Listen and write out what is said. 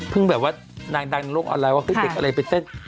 แบบว่านางดังในโลกออนไลน์ว่าเด็กอะไรไปเต้น